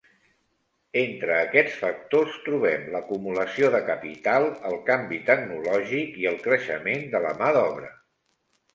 Entre aquests factors, trobem l'acumulació de capital, el canvi tecnològic i el creixement de la mà d'obra.